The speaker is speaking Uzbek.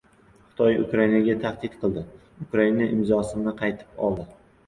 Xitoy Ukrainaga tahdid qildi. Ukraina imzosini qaytib oldi